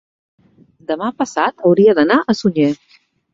demà passat hauria d'anar a Sunyer.